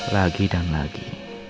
lagi dan lagi